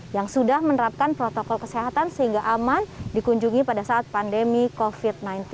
yang sudah menerapkan protokol kesehatan sehingga aman dikunjungi pada saat pandemi covid sembilan belas